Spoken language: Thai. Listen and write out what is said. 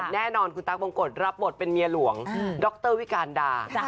แน่นอนคุณตั๊กบงกฎรับบทเป็นเมียหลวงดรวิการดา